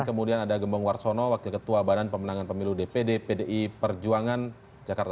kemudian ada gembong warsono wakil ketua badan pemenangan pemilu dpd pdi perjuangan jakarta